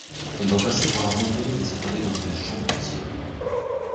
On va passer par la rotonde et s'attarder dans une chambre ancienne.